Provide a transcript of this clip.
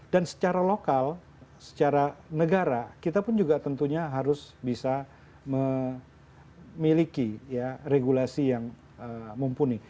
dan secara lokal secara negara kita pun juga tentunya harus bisa memiliki ya regulasi yang mumpuni